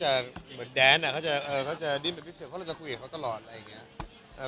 แต่เหมือนแดนเขาจะดิ้นเป็นพิเศษเพราะเราจะคุยกับเขาตลอดอะไรอย่างนี้